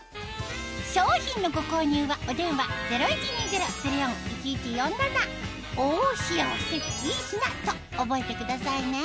商品のご購入はお電話０１２０−０４−１１４７と覚えてくださいね